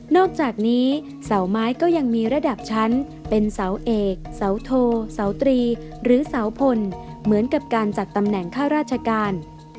อกจากนี้เสาไม้ก็ยังมีระดับชั้นเป็นเสาเอกเสาโทเสาตรีหรือเสาพลเหมือนกับการจัดตำแหน่งข้าราชการ